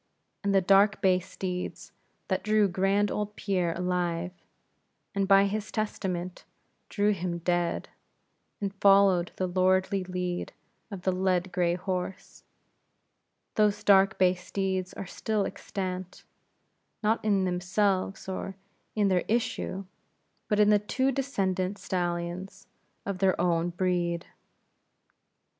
And the dark bay steeds that drew grand old Pierre alive, and by his testament drew him dead, and followed the lordly lead of the led gray horse; those dark bay steeds are still extant; not in themselves or in their issue; but in the two descendants of stallions of their own breed.